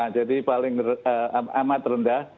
jadi paling amat rendah